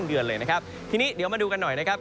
เดือนเลยนะครับทีนี้เดี๋ยวมาดูกันหน่อยนะครับ